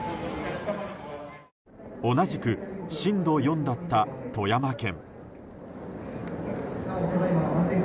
同じく震度４だった富山県。